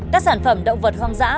các sản phẩm động vật hoang dã